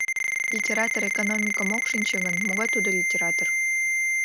— Литератор экономикым ок шинче гын, могай тудо литератор.